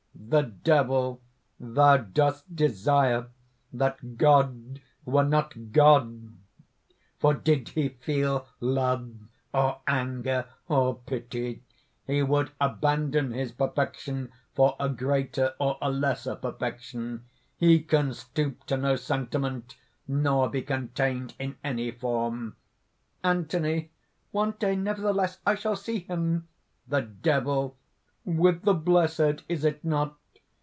THE DEVIL. "Thou dost desire that God were not God; for did he feel love, or anger, or pity, he would abandon his perfection for a greater or a lesser perfection. He can stoop to no sentiment, nor be contained in any form." ANTHONY. "One day, nevertheless, I shall see him!" THE DEVIL. "With the blessed, is it not?